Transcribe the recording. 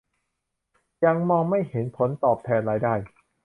ยังมองไม่เห็นผลตอบแทนรายได้